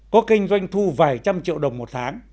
có kênh doanh thu vài trăm triệu đồng một tháng